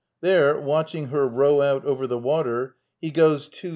There, watching her row out over the ^ter, he, jgscs too.